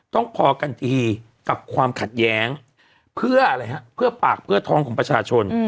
ต้องพอกันทีกับความขัดแย้งเพื่ออะไรฮะเพื่อปากเพื่อท้องของประชาชน